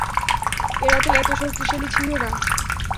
এরা তো এতো শক্তিশালী ছিলো না!